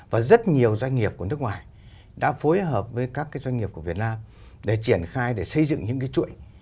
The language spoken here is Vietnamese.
và rất nhiều doanh nghiệp của nước ngoài đã phối hợp với các cái doanh nghiệp của việt nam để triển khai để xây dựng những cái chuỗi